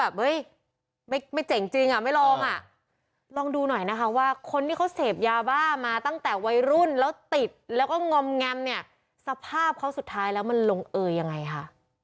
เฮ้ยไม่เจ๋งจริงอ่ะไม่ลองอ่ะลองดูหน่อยนะคะว่าคนที่เขาเสพยาบ้ามาตั้งแต่วัยรุ่นแล้วติดแล้วก็งอมแงมเนี่ยสภาพเขาสุดท้ายแล้วมันลงเอยยังไงคะ